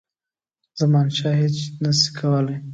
زمانشاه هیچ نه سي کولای.